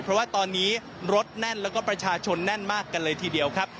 เพราะว่าตอนนี้รถแน่นแล้วก็ประชาชนแน่นมากกันเลยทีเดียวครับ